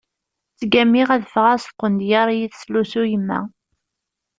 Ttgammiɣ ad ffɣeɣ s tqendyar iyi-teslusu yemma.